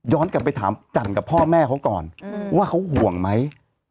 กลับไปถามจันทร์กับพ่อแม่เขาก่อนว่าเขาห่วงไหม